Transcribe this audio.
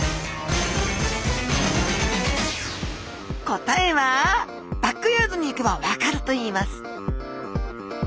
答えはバックヤードに行けば分かるといいます